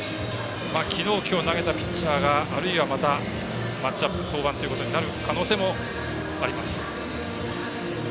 昨日、今日投げたピッチャーがあるいは、またマッチアップ登板ということになる可能性もあります。